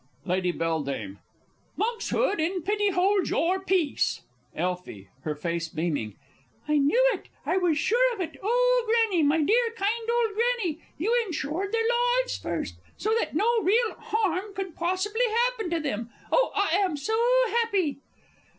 Lady B. Monkshood, in pity hold your peace! Elfie (her face beaming). I knew it I was sure of it! Oh, Granny, my dear, kind old Granny, you insured their lives first, so that no real harm could possibly happen to them oh, I am so happy!